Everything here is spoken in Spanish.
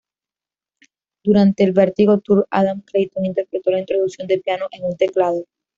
Durante el Vertigo Tour, Adam Clayton interpretó la introducción de piano en un teclado.